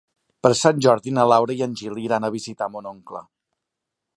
Per Sant Jordi na Laura i en Gil iran a visitar mon oncle.